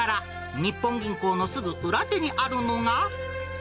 日本銀行のすぐ裏手にあるのが。